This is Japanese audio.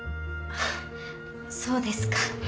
そうですか